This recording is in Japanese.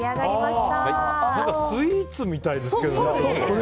何かスイーツみたいですけどね。